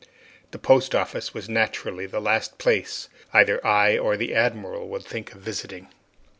The post office was naturally the last place either I or the Admiral would think of visiting.